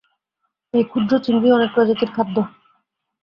এই ক্ষুদ্র চিংড়ি অনেক প্রজাতির খাদ্য।